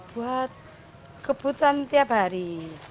buat kebutuhan tiap hari